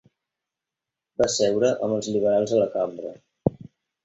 Va seure amb els liberals a la cambra.